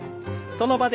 その場で。